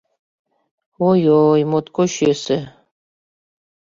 Ой, ой, моткоч йӧсӧ...